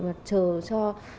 mà chờ cho